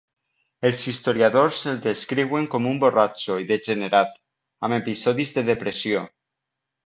Els historiadors el descriuen com un borratxo i degenerat, amb episodis de depressió.